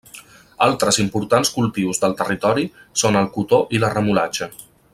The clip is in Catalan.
Altres importants cultius del territori són el cotó i la remolatxa.